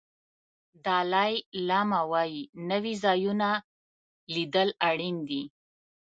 دالای لاما وایي نوي ځایونه لیدل اړین دي.